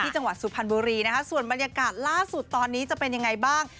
จังหวัดสุพรรณบุรีนะคะส่วนบรรยากาศล่าสุดตอนนี้จะเป็นยังไงบ้าง